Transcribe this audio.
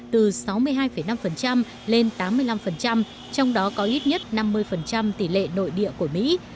từ sáu mươi hai năm lên tám mươi năm trong đó có ít nhất năm mươi tỷ lệ nội địa của mỹ